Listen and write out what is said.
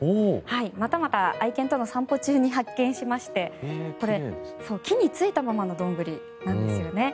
またまた愛犬との散歩中に発見しまして木についたままのドングリなんですよね。